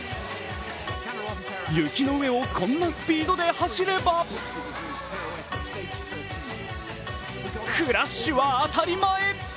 雪の上をこんなスピードで走れば、クラッシュは当たり前。